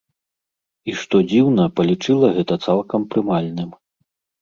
І, што дзіўна, палічыла гэта цалкам прымальным.